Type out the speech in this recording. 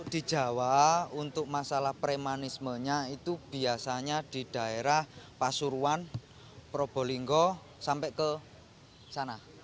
di jawa untuk masalah premanismenya itu biasanya di daerah pasuruan probolinggo sampai ke sana